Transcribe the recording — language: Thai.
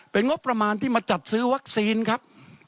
เป็นงบประมาณที่มาจัดซื้อวัคซีนครับ